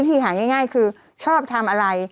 วิธีห่ายง่ายคือชอบทำอะไร